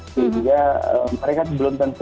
sehingga mereka belum terpaksa